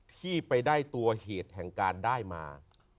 ที่ไปได้ตัวเหตุแห่งการได้มา